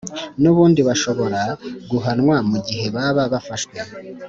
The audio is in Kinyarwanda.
nubundi bashobora guhanwa mu gihe baba bafashwe